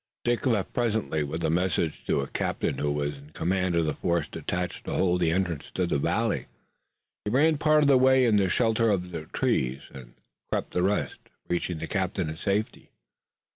Dick left presently with a message to a captain who was in command of the force detached to hold the entrance to the valley. He ran part of the way in the shelter of the trees and crept the rest, reaching the captain in safety.